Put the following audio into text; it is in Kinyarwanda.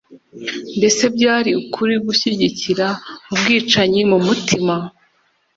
Mbese byari ukuri gushyigikira ubwicanyi mu mutima,